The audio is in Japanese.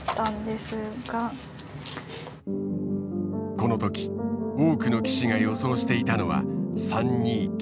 この時多くの棋士が予想していたのは３二金。